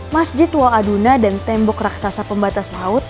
masjid tua aduna dan tembok raksasa pembatas laut